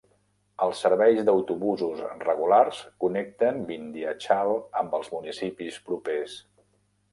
Els serveis d'autobusos regulars connecten Vindhyachal amb els municipis propers.